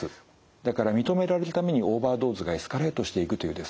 だから認められるためにオーバードーズがエスカレートしていくというですね